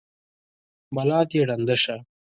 بلا دې ړنده شه!